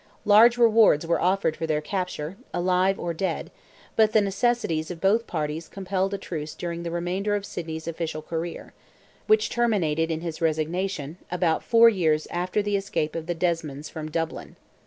Large rewards were offered for their capture, alive or dead, but the necessities of both parties compelled a truce during the remainder of Sidney's official career—which terminated in his resignation—about four years after the escape of the Desmonds from Dublin.